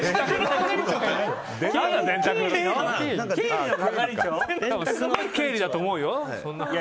すごい経理だと思うよ。